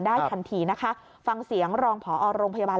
ได้ทันทีนะคะฟังเสียงรองผอโรงพยาบาล